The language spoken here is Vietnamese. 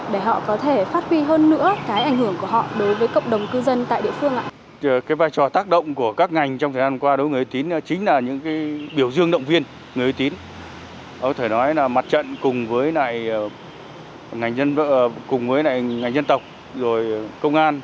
để hỗ trợ và phát huy hơn nữa về vai trò của những người có y tín